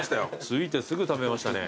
着いてすぐ食べましたね。